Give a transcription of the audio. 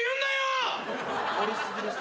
怒り過ぎです。